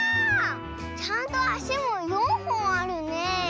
ちゃんとあしも４ほんあるね。